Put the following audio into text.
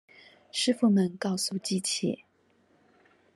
師傅們告訴機器